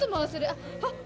あっあっ